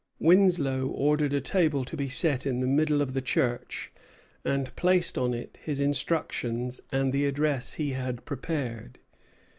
Winslow ordered a table to be set in the middle of the church, and placed on it his instructions and the address he had prepared.